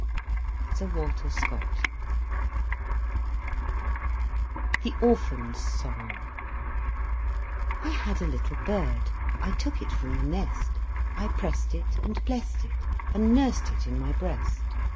SIR WALTER SCOTT THE ORPHAN'S SONG I had a little bird, I took it from the nest; I prest it and blest it, And nurst it in my breast.